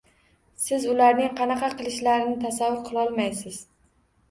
Siz ularning qanaqa qilishlarini tasavvur qilolmaysiz.